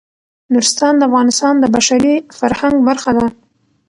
نورستان د افغانستان د بشري فرهنګ برخه ده.